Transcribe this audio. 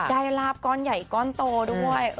ลาบก้อนใหญ่ก้อนโตด้วย